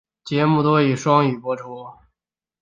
节目多以双语播出。